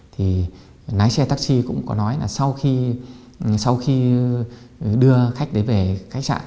thì lái xe taxi cũng có nói là sau khi đưa khách đấy về khách sạn